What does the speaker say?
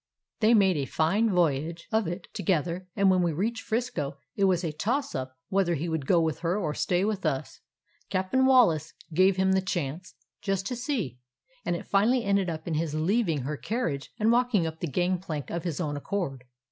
They made a fine voyage of it together, and when we reached 'Frisco it was a toss up whether he would go with her or stay with us. Cap'n Wallace gave him the chance, just to see, *and it finally ended in his leaving her carriage and walking up the gang plank of his own accord.